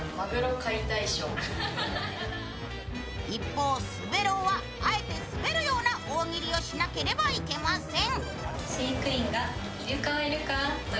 一方、滑狼はあえてスベるような大喜利をしなければいけません。